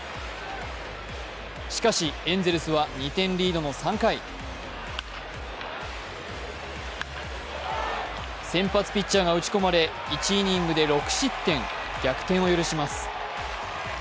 しかしエンゼルスは２点リードの３回先発ピッチャーが打ち込まれ１イニングで６失点逆転を許します。